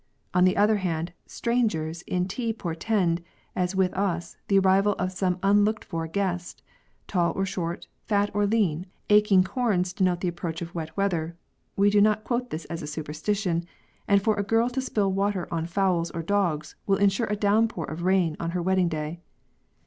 On the other hand, " strangers" in tea portend, as with us, the arrival of some unlooked for guest, tall or short, fat or lean, according to the relative propor tions of the prophetic twig. Aching corns denote the approach of wet weather — we do not quote this as a superstition — and for a girl to spill water on fowls or dogs will ensure a downpour of rain on her wedding day.